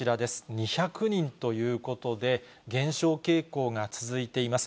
２００人ということで、減少傾向が続いています。